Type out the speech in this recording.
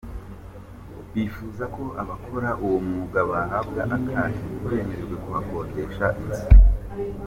Bakifuza ko abakora uwo mwuga bahabwa akato, ntibemererwe kuhakodesha inzu.